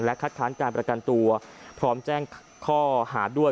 คัดค้านการประกันตัวพร้อมแจ้งข้อหาด้วย